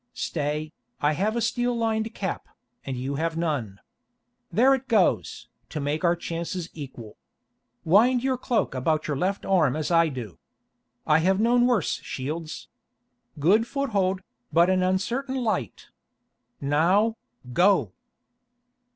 Stay, I have a steel lined cap, and you have none. There it goes, to make our chances equal. Wind your cloak about your left arm as I do. I have known worse shields. Good foothold, but an uncertain light. Now, go!"